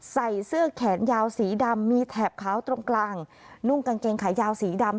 ใส่เสื้อแขนยาวสีดำมีแถบขาวตรงกลางนุ่งกางเกงขายาวสีดำ